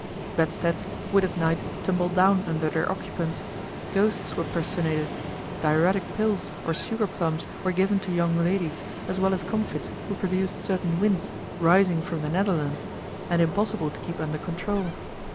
Bedsteads would at night tumble down under their occupants, ghosts were personated, diuretic pills or sugar plums were given to young ladies, as well as comfits who produced certain winds rising from the netherlands, and impossible to keep under control.